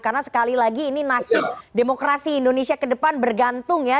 karena sekali lagi ini nasib demokrasi indonesia kedepan bergantung ya